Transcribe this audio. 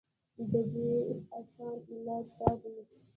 د دې اسان علاج دا دے